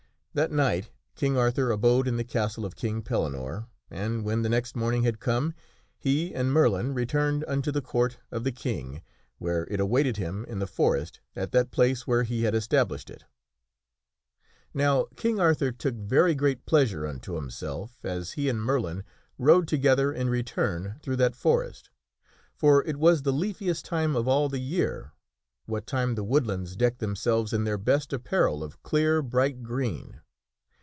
That night King Arthur abode in the castle of King Pellinore, and when the next morning had come, he and Merlin returned unto the Court of the King, where it awaited him in the forest at that place where he had established it. Now King Arthur took very great pleasure unto himself as he and Mer lin rode together in return through that forest ; for it was the leanest time of all the year, what time the woodlands decked themselves in their best apparel of clear, bright green.